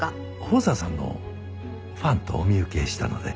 宝山さんのファンとお見受けしたので。